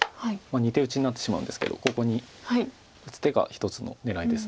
２手打ちになってしまうんですけどここに打つ手が一つの狙いです。